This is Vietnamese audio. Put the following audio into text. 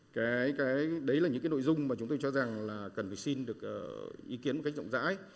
thế và đấy là những nội dung mà chúng tôi cho rằng là cần phải xin được ý kiến một cách rộng rãi